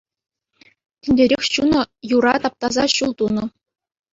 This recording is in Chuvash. Тинтерех ҫунӑ юра таптаса ҫул тунӑ.